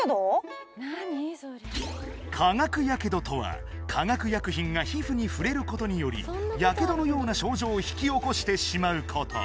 化学やけどとは化学薬品が皮膚に触れることによりやけどのような症状を引き起こしてしまうこと